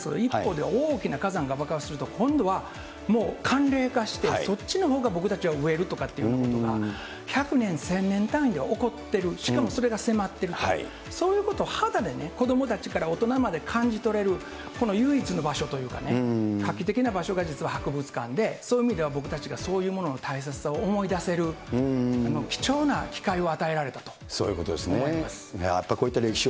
温暖化についても大変な問題で、一方で、大きな火山が爆発すると、今度はもう寒冷化して、そっちのほうが僕たちはとかいうのが１００年、１０００年単位で起こってる、しかもそれが迫っていると、そういうことを肌で子どもたちから大人まで感じ取れるこの唯一の場所というかね、画期的な場所が実は博物館で、そういう意味では僕たちがそういうものの大切さを思い出せる貴重そういうことですね。